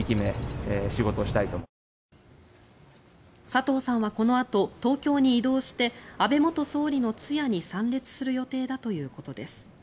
佐藤さんはこのあと東京に移動して安倍元総理の通夜に参列する予定だということです。